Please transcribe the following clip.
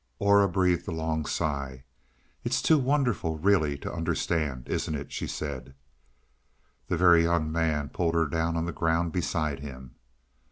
Aura breathed a long sigh. "It's too wonderful really to understand, isn't it?" she said. The Very Young Man pulled her down on the ground beside him.